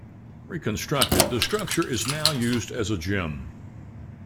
Reconstructed, the structure is now used as a gym.